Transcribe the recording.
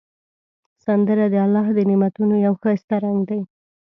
سندره د الله د نعمتونو یو ښایسته رنگ دی